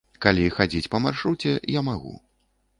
Калі хадзіць па маршруце, я магу.